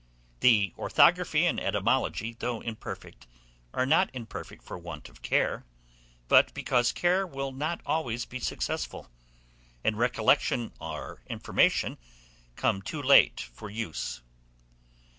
The orthography and etymology, though imperfect, are not imperfect for want of care, but because care will not always be successful, and recollection or information come too late for use.